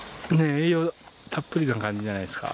栄養たっぷりな感じじゃないですか。